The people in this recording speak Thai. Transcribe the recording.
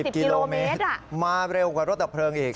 กิโลเมตรมาเร็วกว่ารถดับเพลิงอีก